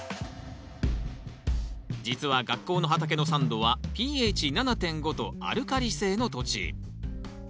実は学校の畑の酸度はｐＨ７．５とアルカリ性の土地。